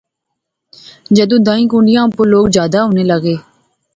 جدوں دائیں کنڈیاں اُپر لوک جادے ہونے لغے